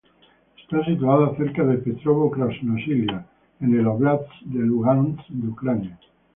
Está situada cerca de Petrovo-Krasnosilia en el óblast de Lugansk de Ucrania.